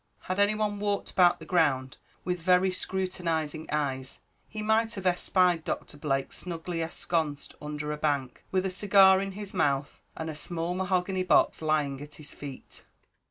Had any one walked about the ground with very scrutinising eyes, he might have espied Doctor Blake snugly ensconced under a bank with a cigar in his mouth, and a small mahogany box lying at his feet.